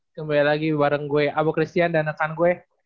kembali lagi bareng gue abu christian dan rekan gue